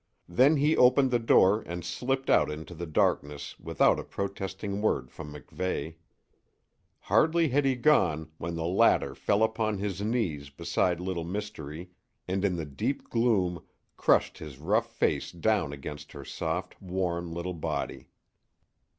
Then he opened the door and slipped out into the darkness without a protesting word from MacVeigh. Hardly had he gone when the latter fell upon his knees beside Little Mystery and in the deep gloom crushed his rough face down against her soft, warm little body.